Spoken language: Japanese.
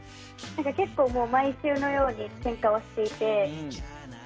結構、毎週のようにケンカをしていて。